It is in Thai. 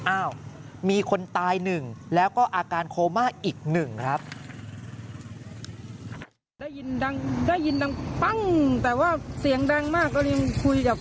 อ้าวมีคนตายหนึ่งแล้วก็อาการโคม่าอีกหนึ่งครับ